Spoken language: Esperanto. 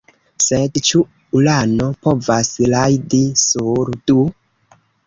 Sed ĉu ulano povas rajdi sur du?